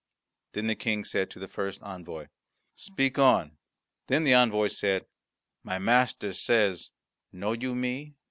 The King said to the first envoy, "Speak on." Then the envoy said, "My master says, 'Know you me?'"